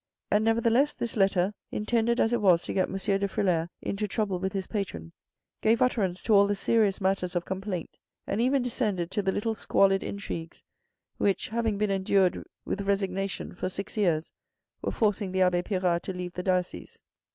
And nevertheless, this letter, intended as it was to get M. de Frilair into trouble with his patron, gave utterance to all the serious matters of complaint, and even descended to the little squalid intrigues which, having been endured with resignation for six years, were forcing the abbe Pirard to leave the diocese.